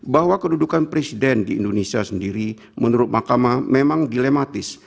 bahwa kedudukan presiden di indonesia sendiri menurut mahkamah memang dilematis